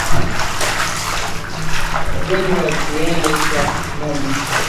Ugonjwa wa kiwele kwa ngombe